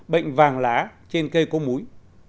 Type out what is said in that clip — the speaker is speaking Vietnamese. bệnh vàng lá trên cây cố múi